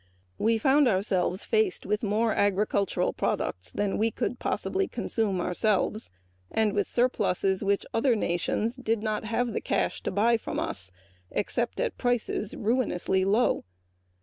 We found ourselves faced with more agricultural products than we could possibly consume ourselves and surpluses which other nations did not have the cash to buy from us except at prices ruinously low.